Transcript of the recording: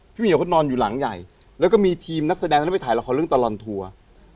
เหมียวเขานอนอยู่หลังใหญ่แล้วก็มีทีมนักแสดงที่ไปถ่ายละครเรื่องตลอนทัวร์